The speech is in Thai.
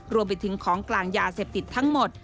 รวมไปถึงของกลางยาเสพติดทั้งหมด